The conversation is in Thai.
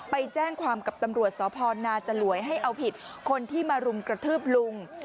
ไปแจ้งความกับตำรวจสพนาจลวยให้เอาผิดคนที่มารุมกระทืบลุง